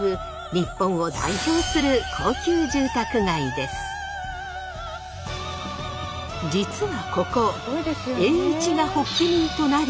日本を代表する実はここ栄一が発起人となり